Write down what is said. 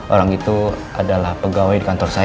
orang itu adalah pegawai di kantor saya